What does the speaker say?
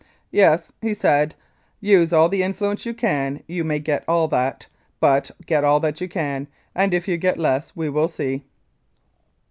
Yes. He said, "Use all the influence you can, you may get all that, but get all you can, and if you get less we will see."